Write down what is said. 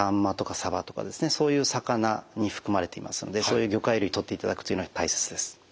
そういう魚に含まれていますのでそういう魚介類とっていただくというのは大切です。